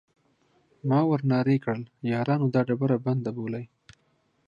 ما ور نارې کړل: یارانو دا ډبره بنده بولئ.